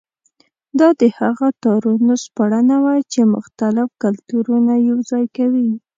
دا د هغو تارونو سپړنه وه چې مختلف کلتورونه یوځای کوي.